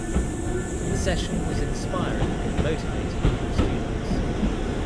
The session was inspiring and motivating for the students.